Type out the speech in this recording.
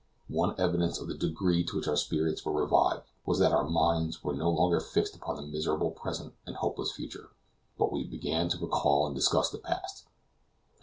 One evidence of the degree to which our spirits were revived was that our minds were no longer fixed upon the miserable present and hopeless future, but we began to recall and discuss the past; and M.